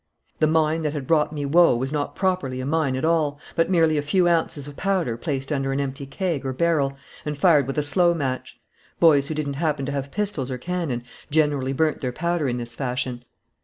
The mine that had wrought me woe was not properly a mine at all, but merely a few ounces of powder placed under an empty keg or barrel and fired with a slow match. Boys who didn't happen to have pistols or cannon generally burnt their powder in this fashion.